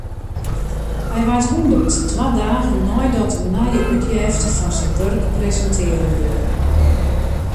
Hy waard hûndert, twa dagen neidat in nije útjefte fan syn wurk presintearre wie.